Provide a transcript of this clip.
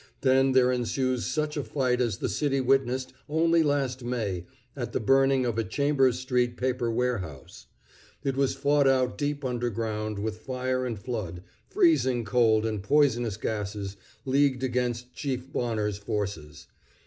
Then there ensues such a fight as the city witnessed only last May at the burning of a Chambers street paper warehouse. It was fought out deep underground, with fire and flood, freezing cold and poisonous gases, leagued against Chief Bonner's forces.